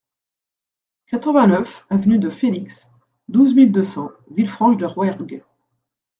quatre-vingt-neuf avenue de Felix, douze mille deux cents Villefranche-de-Rouergue